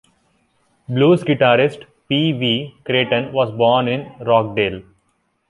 Blues guitarist Pee Wee Crayton was born in Rockdale.